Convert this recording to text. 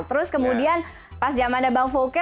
terus kemudian pas zaman ada bang fouke